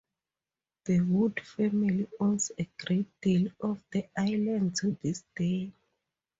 The Wood family owns a great deal of the island to this day.